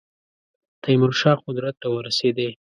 تیمور شاه قدرت ته ورسېدی.